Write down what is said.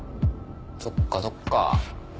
そっかそっか。